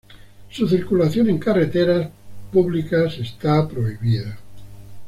Su circulación en carreteras públicas está prohibida.